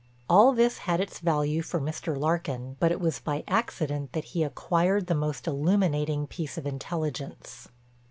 All this had its value for Mr. Larkin, but it was by accident that he acquired the most illuminating piece of intelligence.